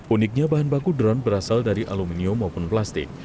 uniknya bahan baku drone berasal dari aluminium maupun plastik